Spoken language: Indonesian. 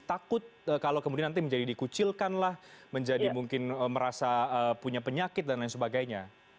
takut kalau kemudian nanti menjadi dikucilkan lah menjadi mungkin merasa punya penyakit dan lain sebagainya